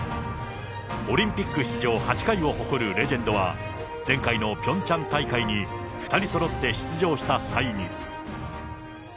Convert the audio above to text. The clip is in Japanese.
オリンピック出場８回を誇るレジェンドは、前回のピョンチャン大会に２人そろって出場した際に。